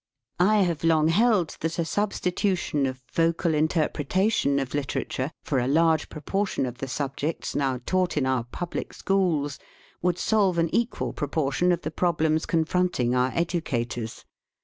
I have long held that a substitution of vocal interpretation of literature for a large proportion of the subjects now taught in our public schools would solve an equal propor tion of the problems confronting our educa tors.